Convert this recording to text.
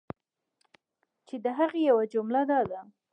چی د هغی یوه جمله دا ده